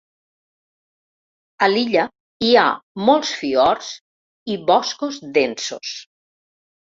A l'illa hi ha molts fiords i boscos densos.